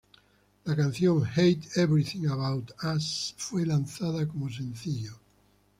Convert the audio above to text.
La canción "Hate Everything About U" fue lanzado como sencillo.